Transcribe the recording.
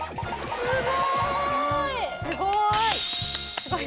すごい！